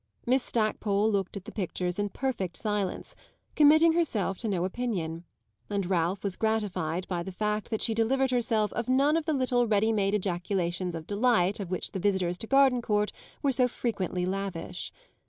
Miss Stackpole looked at the pictures in perfect silence, committing herself to no opinion, and Ralph was gratified by the fact that she delivered herself of none of the little ready made ejaculations of delight of which the visitors to Gardencourt were so frequently lavish.